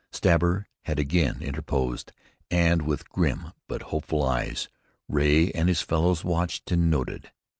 Stabber had again interposed, and with grim but hopeful eyes, Ray and his fellows watched and noted.